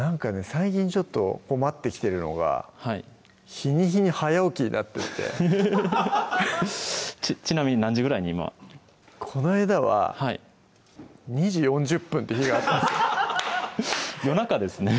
最近ちょっと困ってきてるのが日に日に早起きになってってちなみに何時ぐらいに今この間は２時４０分って日があった夜中ですね